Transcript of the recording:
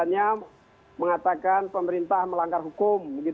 hanya mengatakan pemerintah melanggar hukum